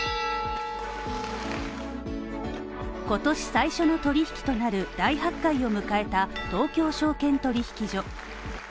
今年最初の取引となる大発会を迎えた東京証券取引所。